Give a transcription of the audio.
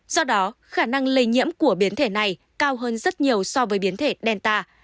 do đó khả năng lây nhiễm của biến thể này cao hơn rất nhiều so với biến thể delta